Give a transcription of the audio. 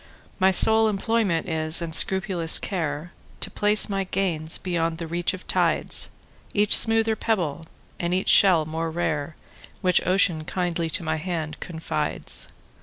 My sole employment is, and scrupulous care, To place my gains beyond the reach of tides,—Each smoother pebble, and each shell more rare, Which Ocean kindly to my hand confides.